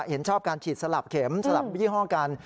เห็นชอบการฉีดสลับเข็มสลับยี่ห้อกัน